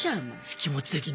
気持ち的に。